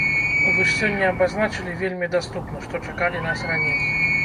Вы ж сёння абазначылі вельмі даступна, што чакалі нас раней.